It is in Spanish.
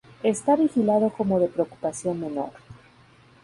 Está vigilado como de "preocupación menor".